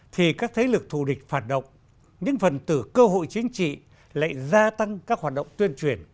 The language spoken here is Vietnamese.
thì các thế lực thù địch phản động những phần tử cơ hội chính trị lại gia tăng các hoạt động tuyên truyền